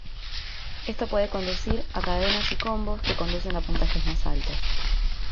Esto puede conducir a cadenas y combos, que conducen a puntajes más altos.